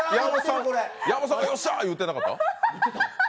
山本さんがよっしゃって言ってなかった？